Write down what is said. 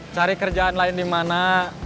cari kerjaan lain dimana